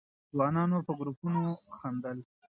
ځوانانو په گروپونو خندل.